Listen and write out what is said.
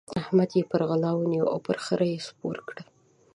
احمد يې پر غلا ونيو او پر خره يې سپور کړ.